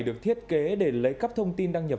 được thiết kế để lấy cắp thông tin đăng nhập